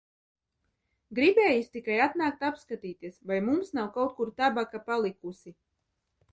Gribējis tikai atnākt apskatīties, vai mums nav kaut kur tabaka palikusi.